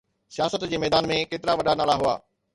سياست جي ميدان ۾ ڪيترا وڏا نالا هئا؟